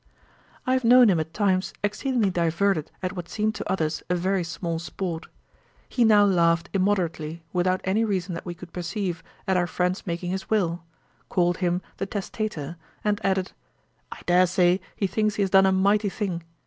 I have known him at times exceedingly diverted at what seemed to others a very small sport. He now laughed immoderately, without any reason that we could perceive, at our friend's making his will; called him the testator, and added, 'I dare say, he thinks he has done a mighty thing.